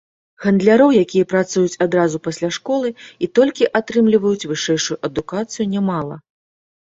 Гандляроў, якія працуюць адразу пасля школы і толькі атрымліваюць вышэйшую адукацыю, нямала.